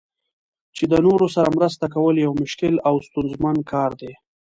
چې د نورو سره مرسته کول یو مشکل او ستونزمن کار دی.